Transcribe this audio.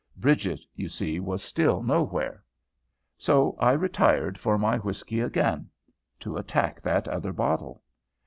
Bridget, you see, was still nowhere. So I retired for my whiskey again, to attack that other bottle.